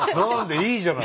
いいじゃない。